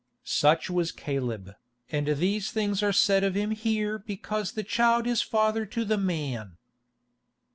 Such was Caleb, and these things are said of him here because the child is father to the man.